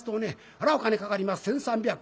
ほらお金かかります１，３００。